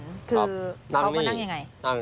คือเขามานั่งยังไง